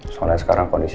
soalnya sekarang kondisi